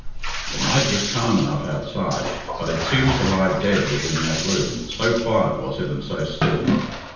The night was calm enough outside; but it seemed to lie dead within that room, so quiet was it and so still.